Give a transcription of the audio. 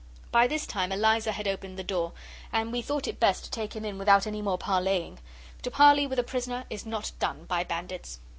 By this time Eliza had opened the door, and we thought it best to take him in without any more parlaying. To parley with a prisoner is not done by bandits.